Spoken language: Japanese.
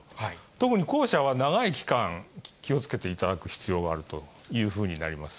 特に後者は長い期間、気をつけていただく必要があるというふうになります。